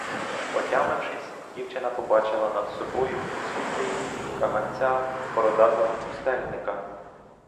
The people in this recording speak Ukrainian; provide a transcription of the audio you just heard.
Отямившись, дівчина побачила над собою у світлі каганця бородатого пустельника.